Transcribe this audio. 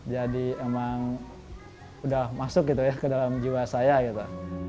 jadi emang udah masuk gitu ya ke dalam jiwa saya gitu